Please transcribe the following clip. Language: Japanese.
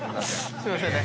すいませんね。